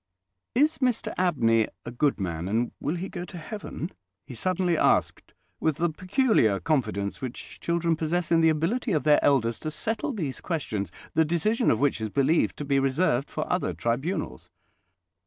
"Is Mr Abney a good man, and will he go to heaven?" he suddenly asked, with the peculiar confidence which children possess in the ability of their elders to settle these questions, the decision of which is believed to be reserved for other tribunals.